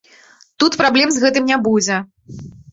Тут праблем з гэтым не будзе.